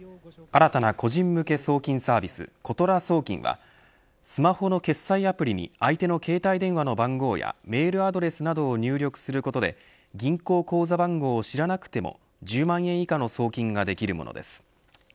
新たな個人向け送金サービス、ことら送金はスマホの決済アプリに相手の携帯電話の番号やメールアドレスなどを入力することで銀行口座番号を知らなくても１０万円以下の送金ができるものです。